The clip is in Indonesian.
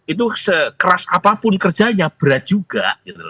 itu sekeras apapun kerjanya berat juga